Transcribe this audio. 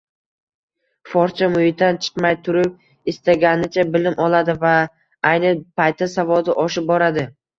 forscha muhitdan chiqmay turib istaganicha bilim oladi va ayni paytda savodi oshib boradi.